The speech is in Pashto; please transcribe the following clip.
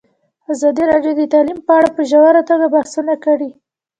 ازادي راډیو د تعلیم په اړه په ژوره توګه بحثونه کړي.